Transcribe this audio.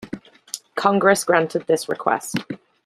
Congress granted this request.